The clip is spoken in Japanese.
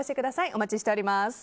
お待ちしております。